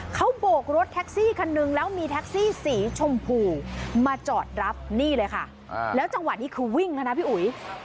เขาโบกรถแท็กซี่คันนึงแล้วมีแท็กซี่สีชมพูมาจอดรับนี่เลยค่ะแล้วจังหวะนี้คือวิ่งแล้วนะพี่อุ๋ย